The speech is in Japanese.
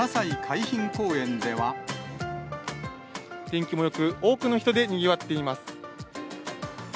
天気もよく、多くの人でにぎわっています。